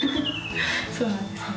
そうなんですね。